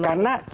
tidak selama ini